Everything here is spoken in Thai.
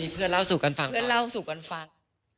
เพื่อนเล่าสู่กันฟัง